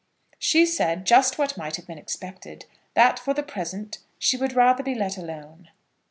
"She said just what might have been expected, that for the present she would rather be let alone."